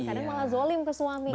kadang malah zolim ke suami